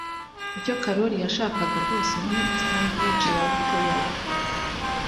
Icyo Karoli yashakaga rwose ni sandwich ya buto ya buto.